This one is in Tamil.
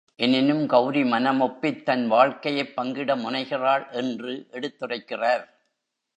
எனினும், கெளரி மனம் ஒப்பித் தன் வாழ்க்கையைப் பங்கிட முனைகிறாள்! என்று எடுத்துரைக்கிறார்.